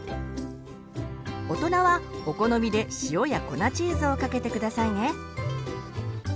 大人はお好みで塩や粉チーズをかけて下さいね。